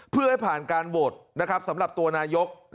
เพื่อให้ผ่านการโหวตสำหรับตัวนายก